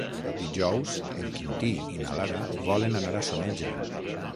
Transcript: Dijous en Quintí i na Lara volen anar a Soneja.